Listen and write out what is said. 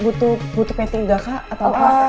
butuh pt tiga k atau apa